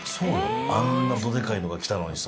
あんなどでかいのがきたのにさ。